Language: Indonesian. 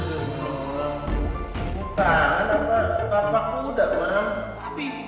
wutan atau apaku udah eating